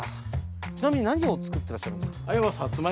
ちなみに何を作ってらっしゃるんですか？